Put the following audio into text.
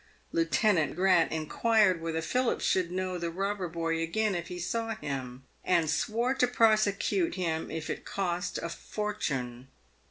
Lieute nant Grant inquired whether Philip should know the robber boy again if he saw him, and swore to prosecute him if it cost a fortune.